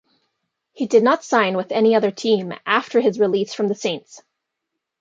He did not sign with any other team after his release from the Saints.